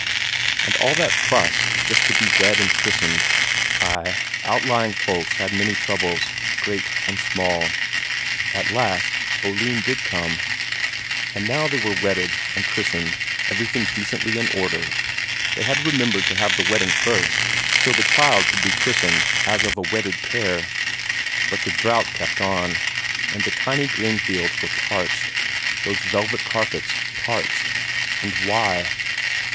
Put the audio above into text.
And all that fuss just to be wed and christened. Ay, outlying folks had many troubles, great and small. At last Oline did come.... And now they were wedded and christened, everything decently in order; they had remembered to have the wedding first, so the child could be christened as of a wedded pair. But the drought kept on, and the tiny cornfields were parched, those velvet carpets parched and why?